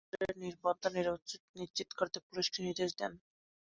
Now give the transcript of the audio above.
পরে হাইকোর্ট পরাগ মণ্ডলের পরিবারের নিরাপত্তা নিশ্চিত করতে পুলিশকে নির্দেশ দেন।